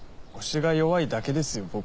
押しが弱いだけですよ